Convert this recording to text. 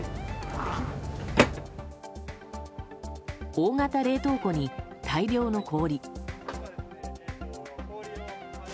大型冷凍庫に大量の氷。